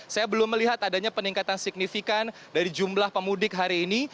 saya belum melihat adanya peningkatan signifikan dari jumlah pemudik hari ini